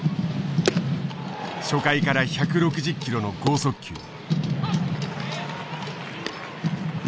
初回から１６０キロの剛速球。